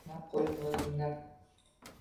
Nima qilib qoʻydim oʻzimni?